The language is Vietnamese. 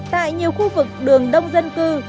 tại nhiều khu vực đường đông dân cư